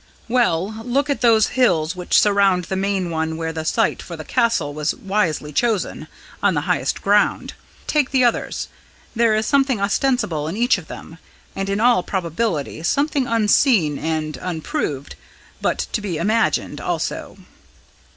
"Well, look at those hills which surround the main one where the site for the Castle was wisely chosen on the highest ground. Take the others. There is something ostensible in each of them, and in all probability something unseen and unproved, but to be imagined, also."